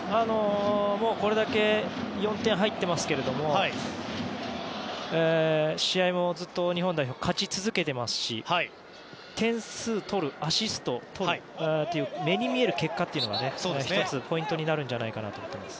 もうこれだけ４点入っていますけれども試合も日本代表はずっと勝ち続けていますし点数を取るアシストをとるという目に見える結果というのが１つ、ポイントになるんじゃないかと思います。